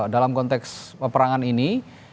dalam konteks peperangan ini